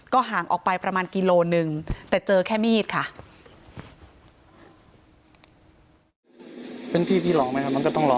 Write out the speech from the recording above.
ห่างออกไปประมาณกิโลนึงแต่เจอแค่มีดค่ะ